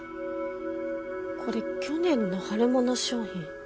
これ去年の春物商品。